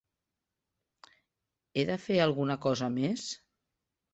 He de fer alguna cosa més?